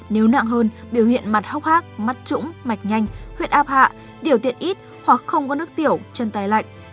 nếu nặng hơn biểu hiện mặt hốc hác mắt trũng mạch nhanh huyết áp hạ tiểu tiện ít hoặc không có nước tiểu chân tai lạnh